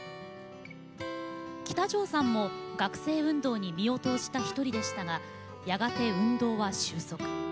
喜多條さんも学生運動に身を投じた１人でしたがやがて運動は収束。